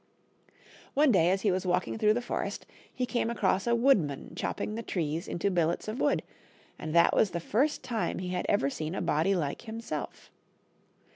One day, as he was walking through the forest, he came across a wood man chopping the trees into billets of wood, and that was the first time he had ever seen a body like himself.